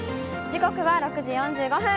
時刻は６時４５分。